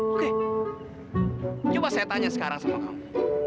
oke pergi sana kamu